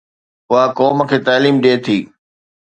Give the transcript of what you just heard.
اها قوم کي تعليم ڏئي ٿي.